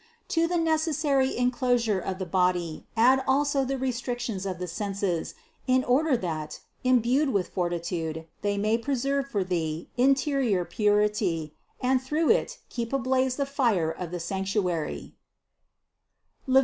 462. To the necessary enclosure of the body add also the restrictions of the senses, in order that, imbued with fortitude, they may preserve for thee interior purity, and through it keep ablaze the fire of the sanctuary (Lev.